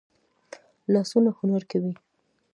لاسونه هنر کوي